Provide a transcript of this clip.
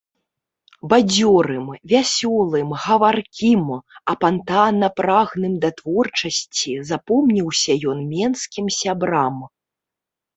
Бадзёрым, вясёлым, гаваркім, апантана прагным да творчасці запомніўся ён менскім сябрам.